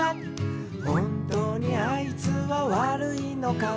「ほんとにあいつはわるいのか」